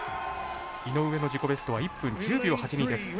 井上の自己ベストは１分１０秒８２です。